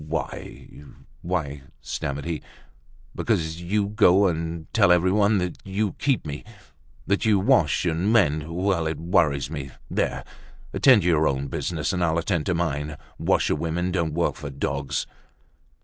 "Why—why—" stammered he, "because you go and tell everyone that you keep me, that you wash and mend. Well! It worries me, there! Attend to your own business and I'll attend to mine, washerwomen don't work for dogs."